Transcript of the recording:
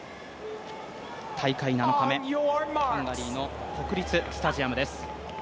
大会７日目、ハンガリー国立スタジアムです。